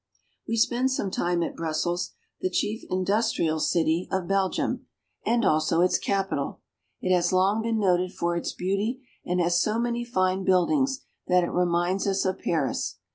We spend some time at Brussels, the chief industrial city 130 BELGIUM. of Belgium, and also its capital. It has long been noted for its beauty and has so many fine buildings that it reminds us of Paris.